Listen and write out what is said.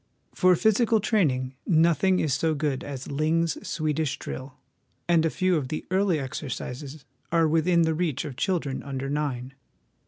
For physical training nothing is so good as Ling's Swedish Drill, and a few of the early exercises are within the reach of children under nine.